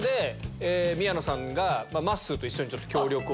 宮野さんがまっすーと一緒に協力をして。